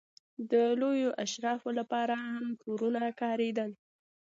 د لویو اشرافو لپاره هم کورونه کارېدل.